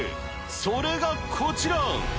それがこちら。